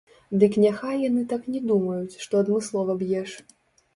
Дык няхай яны так не думаюць, што адмыслова б'еш.